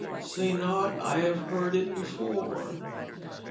Say not I have heard it before.